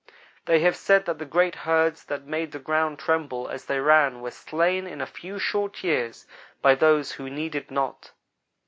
They have said that the great herds that made the ground tremble as they ran were slain in a few short years by those who needed not.